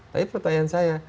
tapi pertanyaan saya